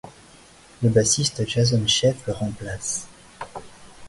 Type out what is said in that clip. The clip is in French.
Le bassiste Jason Scheff le remplace.